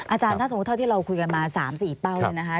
อาจารย์ถ้าสมมุติเท่าที่เราคุยกันมา๓๔เป้าเนี่ยนะคะ